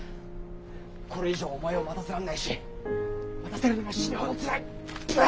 これ以上お前を待たせらんないし待たせるのも死ぬほどつらい！